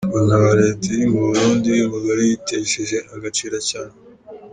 ngo nta leta iri muburundi? uyumugore yitesheje agaciro cyane.